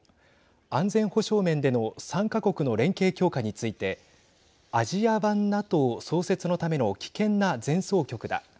安全保障面での３か国の連携強化についてアジア版ＮＡＴＯ創設のための危険な前奏曲だ。